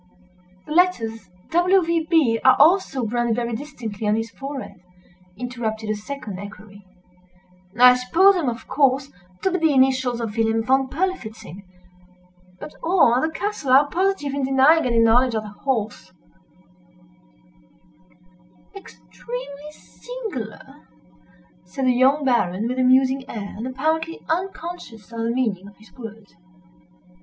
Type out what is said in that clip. "The letters W. V. B. are also branded very distinctly on his forehead," interrupted a second equerry, "I supposed them, of course, to be the initials of Wilhelm Von Berlifitzing—but all at the castle are positive in denying any knowledge of the horse." "Extremely singular!" said the young Baron, with a musing air, and apparently unconscious of the meaning of his words.